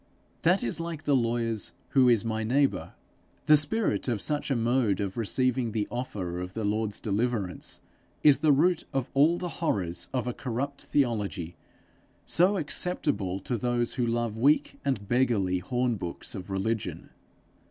That is like the lawyer's 'Who is my neighbour?' The spirit of such a mode of receiving the offer of the Lord's deliverance, is the root of all the horrors of a corrupt theology, so acceptable to those who love weak and beggarly hornbooks of religion.